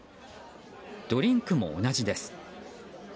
ドリンクも同じです。